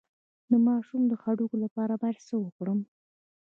د ماشوم د هډوکو لپاره باید څه وکړم؟